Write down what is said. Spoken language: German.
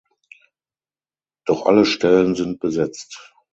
Doch alle Stellen sind besetzt.